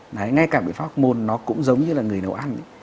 đấy ngay cả biện pháp môn nó cũng giống như là người nấu ăn